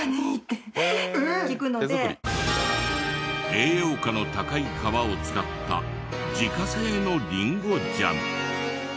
栄養価の高い皮を使った自家製のリンゴジャム。